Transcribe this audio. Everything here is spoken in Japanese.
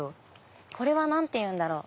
これは何ていうんだろう？